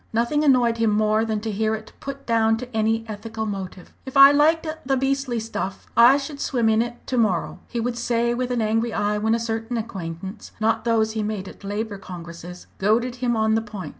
Nothing annoyed him more than to hear it put down to any ethical motive. "If I liked the beastly stuff, I should swim in it to morrow," he would say with an angry eye when certain acquaintance not those he made at Labour Congresses goaded him on the point.